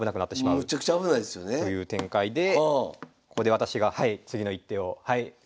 むちゃくちゃ危ないですよね。という展開でここで私が次の一手を。